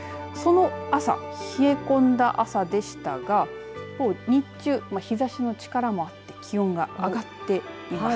朝、冷え込んだ朝でしたが日中、日ざしの力もあって気温が上がっています。